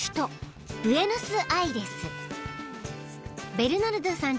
［ベルナルドさん